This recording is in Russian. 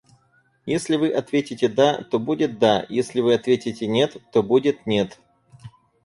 Если вы ответите да, то будет да, если вы ответите нет, то будет нет.